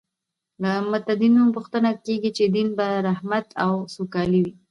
له متدینو پوښتنه کېږي چې دین به رحمت او سوکالي وي.